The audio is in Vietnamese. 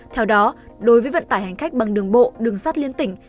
theo đó đối với vận tải hành khách bằng đường bộ đường sắt liên tỉnh